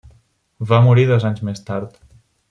Va morir dos anys més tard.